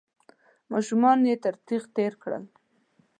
ماشومان يې تر تېغ تېر کړل.